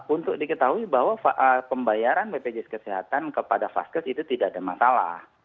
untuk diketahui bahwa pembayaran bpjs kesehatan kepada vaskes itu tidak ada masalah